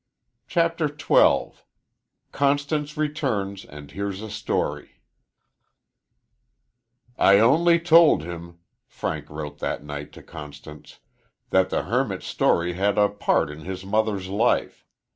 CHAPTER XII CONSTANCE RETURNS AND HEARS A STORY "I only told him," Frank wrote that night to Constance, "that the hermit's story had a part in his mother's life.